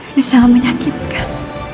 ini sangat menyakitkan